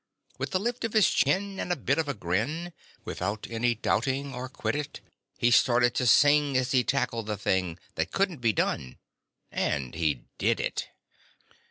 With a lift of his chin and a bit of a grin, Without any doubting or quiddit, He started to sing as he tackled the thing That couldn't be done, and he did it.